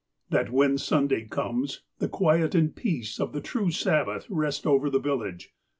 That when Sunday comes, the quiet and peace of the true Sabbath rest over the village.